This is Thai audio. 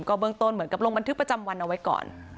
เบื้องต้นเหมือนกับลงบันทึกประจำวันเอาไว้ก่อน